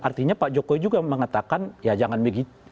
artinya pak jokowi juga mengatakan ya jangan begitu